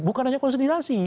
bukan hanya konsolidasi